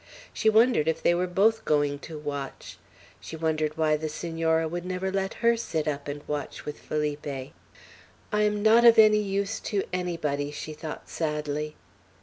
She wondered if they were both going to watch; she wondered why the Senora would never let her sit up and watch with Felipe. "I am not of any use to anybody," she thought sadly.